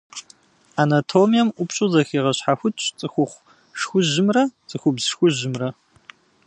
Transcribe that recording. Анатомием ӏупщӏу зэхегъэщхьэхукӏ цӏыхухъу шхужьымрэ цӏыхубз шхужьымрэ.